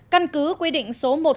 căn cứ quy định số một trăm linh hai qdtu